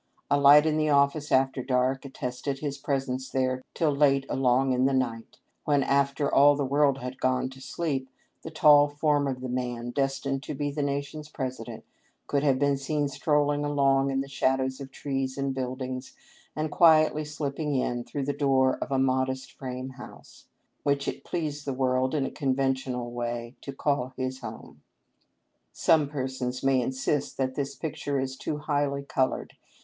A light in the office after dark attested his presence there till late along in the night, when, after all the world had gone to sleep, the tall form of the man destined to be the nation's President could have been seen strolling along in the shadows of trees and buildings, and quietly slipping in through the door of a modest frame house, which it pleased the world, in a con ventional way, to call his home. Some persons may insist that this picture is too highly colored.